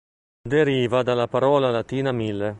Deriva dalla parola latina "mille".